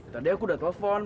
tadi aku datang sama nyonya